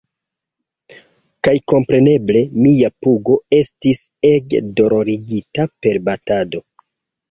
Kaj kompreneble, mia pugo... estis ege dolorigita per batado.